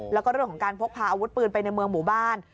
แล้วก็เรื่องของการพกพาอาวุธปืนไปในเมืองหมู่บ้าน